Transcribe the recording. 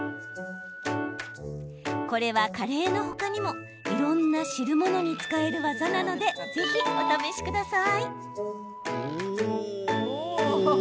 これは、カレーの他にもいろんな汁物に使える技なのでぜひ、お試しください。